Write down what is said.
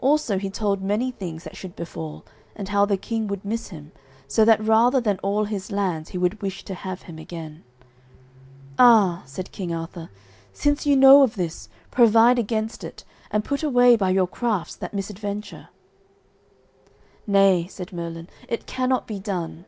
Also he told many things that should befall, and how the king would miss him, so that rather than all his lands he would wish to have him again. "Ah," said King Arthur, "since ye know of this, provide against it, and put away by your crafts that misadventure." "Nay," said Merlin, "it cannot be done."